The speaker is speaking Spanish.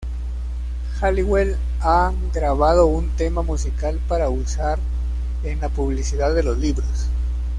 Halliwell ha grabado un tema musical para usar en la publicidad de los libros.